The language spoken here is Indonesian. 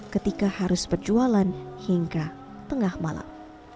ketika harus berjualan hingga tengah malam